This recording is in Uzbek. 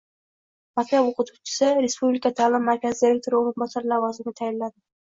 Maktab o‘qituvchisi Respublika ta’lim markazi direktori o‘rinbosari lavozimiga tayinlanding